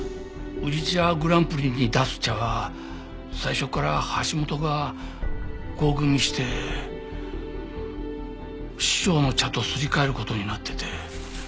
宇治茶グランプリに出す茶は最初から橋本が合組して師匠の茶とすり替える事になってて。